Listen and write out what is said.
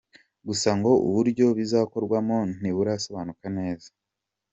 Gusa ngo uburyo bizakorwamo ntiburasobanuka neza.